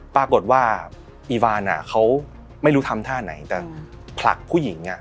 ปรากฏว่าอีบานเขาไม่รู้ทำท่าไหนแต่ผลักผู้หญิง